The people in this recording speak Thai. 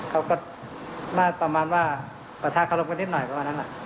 เขาก็มาประมาณว่าประทะคารมกันนิดหน่อยประมาณนั้น